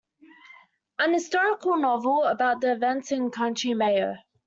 An historical novel about the events in County Mayo.